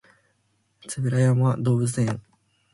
円山動物園